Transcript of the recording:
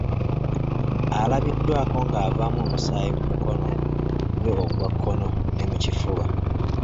Alabiddwako ng’avaamu omusaayi mu mukono gwe ogwa kkono ne mu kifuba .